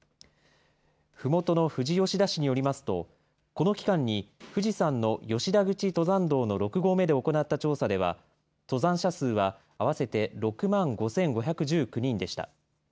ふもとの富士吉田市によりますと、この期間に富士山の吉田口登山道の６合目で行った調査では、登山者数は合わせて６万５５１９人でした。